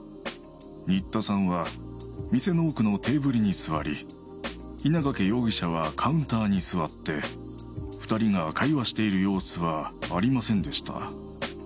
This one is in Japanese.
新田さんは店の奥のテーブルに座り稲掛容疑者はカウンターに座って２人が会話している様子はありませんでした。